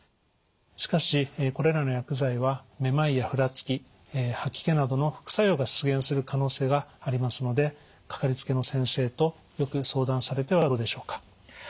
しかしこれらの薬剤はめまいやふらつき吐き気などの副作用が出現する可能性がありますのでかかりつけの先生とよく相談されてはどうでしょうか。